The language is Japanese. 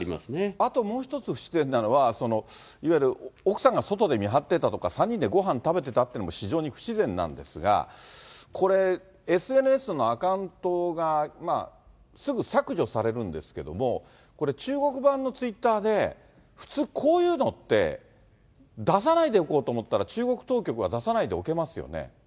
あともう一つ不自然なのは、いわゆる奥さんが外で見張ってたとか、３人でごはん食べてたっていうのも非常に不自然なんですが、これ、ＳＮＳのアカウントがすぐ削除されるんですけれども、これ、中国版のツイッターで、普通こういうのって出さないでおこうと思ったら、中国当局は出さないでおけますよね。